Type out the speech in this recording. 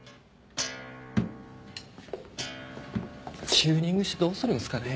チューニングしてどうするんすかね？